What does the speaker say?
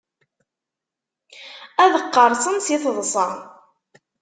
Ad qqerṣen si teḍsa.